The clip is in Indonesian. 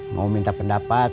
mau minta pendapat